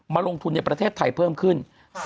ลงทุนในประเทศไทยเพิ่มขึ้น